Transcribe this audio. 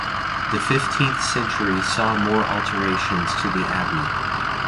The fifteenth century saw more alterations to the Abbey.